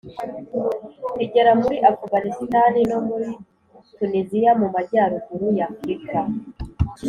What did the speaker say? rigera muri afuganisitani no muri tuniziya mu majyaruguru ya afurika